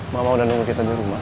mama udah nunggu kita di rumah